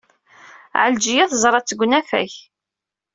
Ɛelǧiya teẓra-tt deg unafag.